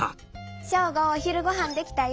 ショーゴお昼ごはんできたよ。